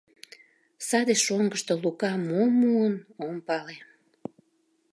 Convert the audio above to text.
Саде шоҥгышто Лука мом муын — ом пале.